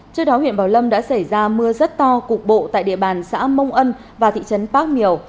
trước đó huyện bảo lâm đã xảy ra mưa rất to cục bộ tại địa bàn xã mông ân và thị trấn bác miều